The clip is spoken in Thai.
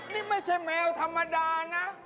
นี่ไม่ใช่แมวธรรมดานะ